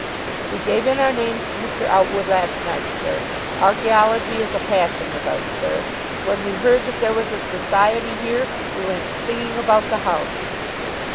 "We gave in our names to Mr. Outwood last night, sir. Archaeology is a passion with us, sir. When we heard that there was a society here, we went singing about the house."